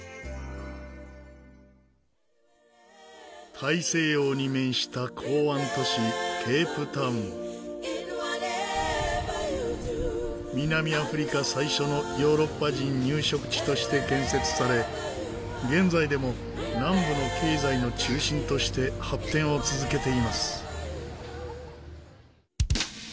大西洋に面した港湾都市南アフリカ最初のヨーロッパ人入植地として建設され現在でも南部の経済の中心として発展を続けています。